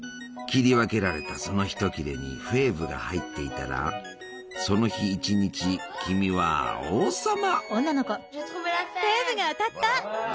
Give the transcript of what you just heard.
切り分けられたそのひと切れにフェーブが入っていたらその日一日君は王様！